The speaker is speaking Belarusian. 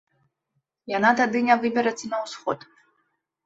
Яна тады не выберацца на ўсход.